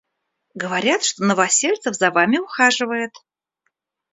Говорят, что Новосельцев за Вами ухаживает.